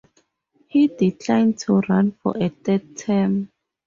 He declined to run for a third term.